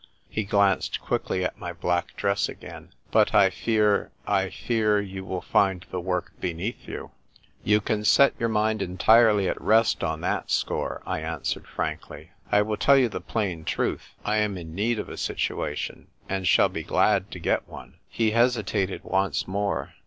He glanced quickly at my black dress again. " But I fear — I fear you will find the work beneath you." A SAIL ON THE HORIZON. 1 23 " You can set your mind entirely at rest on that score,' I answered frankly. "I will tell you the plain truth — I am in need of a situation, and shall be glad to get one." He hesitated once more.